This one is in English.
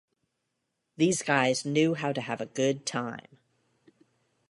These guys knew how to have a good time!